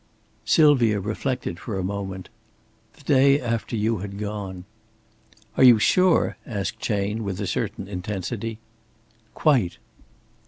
Sylvia reflected for a moment. "The day after you had gone." "Are you sure?" asked Chayne, with a certain intensity. "Quite."